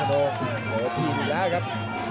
ฮาวดงและหลูกผีฟท์อีกแล้วครับ